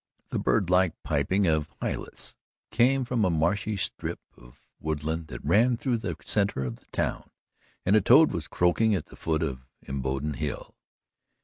The birdlike piping of hylas came from a marshy strip of woodland that ran through the centre of the town and a toad was croaking at the foot of Imboden Hill.